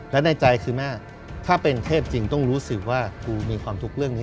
และในใจคือแม่ถ้าเป็นเทพจริงต้องรู้สึกว่ากูมีความทุกข์เรื่องนี้